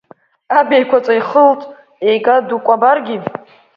Аб еиқәаҵәа ихылҵ ега дукәабаргьы…